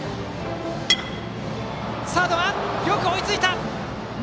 サード、よく追いついた。